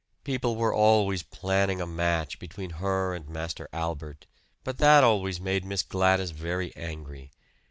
People were always planning a match between her and Master Albert, but that always made Miss Gladys very angry.